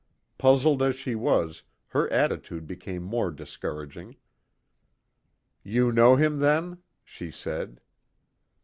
Puzzled as she was, her attitude became more discouraging. "You know him, then?" she said.